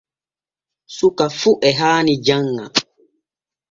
Suka fu e haani janŋa.